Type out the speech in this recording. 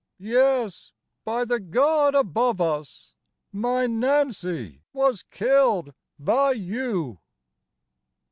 Yes, by the God above us, My Nance was killed by you